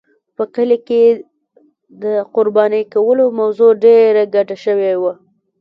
په کلي کې د قربانۍ کولو موضوع ډېره ګډه شوې وه.